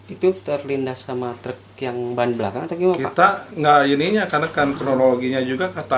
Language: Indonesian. itu terlindas sama truk yang ban belakang kita enggak unitnya karena kan kronologinya juga kata